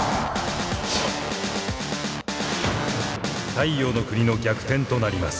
太陽ノ国の逆転となります。